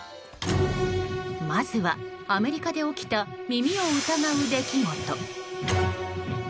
まずは、アメリカで起きた耳を疑う出来事。